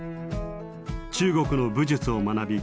中国の武術を学び